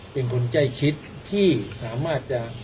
เป็นคนใกล้ชิดที่สามารถจะ